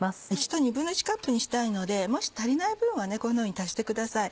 １と１／２カップにしたいのでもし足りない分はこんなふうに足してください。